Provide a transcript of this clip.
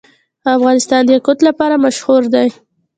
افغانستان د یاقوت لپاره مشهور دی.